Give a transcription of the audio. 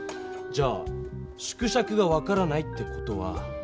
じゃあ縮尺が分からないって事は。